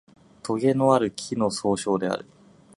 とげのある木の総称である